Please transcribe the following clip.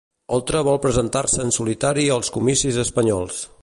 Oltra vol presentar-se en solitari als comicis espanyols